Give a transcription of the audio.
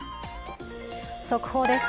速報です。